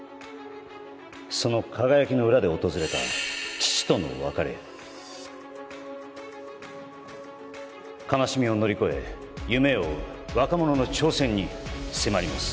その輝きの裏で訪れた父との別れ悲しみを乗り越え夢を追う若者の挑戦に迫ります